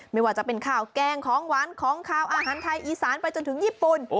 ไม่ว่าจะเป็นข้าวแกงของหวานของขาวอาหารไทยอีสานไปจนถึงญี่ปุ่น